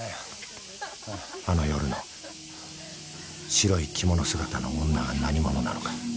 ［あの夜の白い着物姿の女が何者なのか］